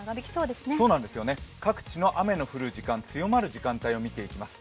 各地の雨の降る時間、強まる時間帯を見ていきます。